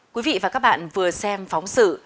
quý vị và các bạn vừa xem phóng sự